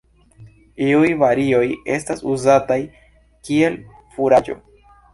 Iuj varioj estas uzataj kiel furaĝo.